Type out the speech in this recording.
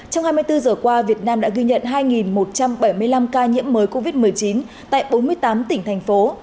trong hai mươi bốn giờ qua việt nam đã ghi nhận hai một trăm bảy mươi năm ca nhiễm mới covid một mươi chín tại bốn mươi tám tỉnh thành phố